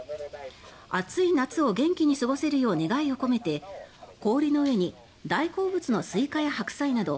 暑い夏を元気に過ごせるよう願いを込めて氷の上に大好物のスイカや白菜など